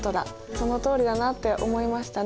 そのとおりだなって思いましたね。